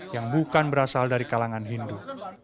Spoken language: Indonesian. yang bukan berasal dari kalangan hindu